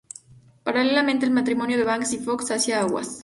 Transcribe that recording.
Paralelamente, el matrimonio de Banks y Foxx hacía aguas.